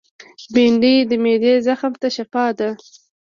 بېنډۍ د معدې زخم ته شفاء ده